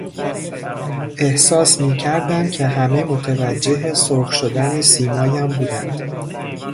احساس میکردم که همه متوجه سرخ شدن سیمایم بودند.